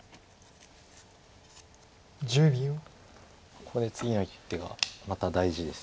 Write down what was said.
ここで次の一手がまた大事です。